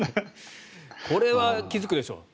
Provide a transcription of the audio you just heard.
これは気付くでしょう。